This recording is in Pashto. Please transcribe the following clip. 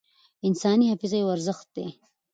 انساني حافظه یو ارزښت دی.